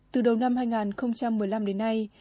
từ đầu năm hai nghìn một mươi năm đến nay